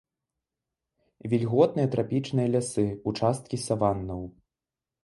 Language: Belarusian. Вільготныя трапічныя лясы, участкі саваннаў.